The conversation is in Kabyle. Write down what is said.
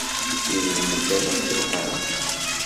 D idrimen kan ay tebɣamt.